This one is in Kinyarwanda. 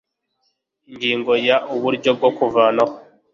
ingingo ya uburyo bwo kuvanaho